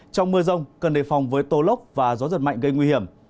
trong mưa rông cần đề phòng với tô lốc và gió giật mạnh gây nguy hiểm